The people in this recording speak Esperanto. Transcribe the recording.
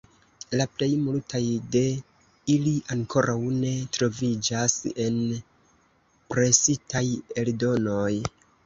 La plej multaj de ili ankoraŭ ne troviĝas en presitaj eldonoj.